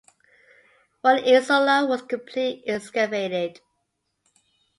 One insula was completely excavated.